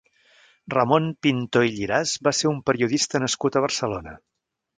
Ramon Pintó i Lliràs va ser un periodista nascut a Barcelona.